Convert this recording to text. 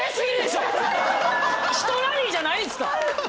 ひとラリーじゃないんですか？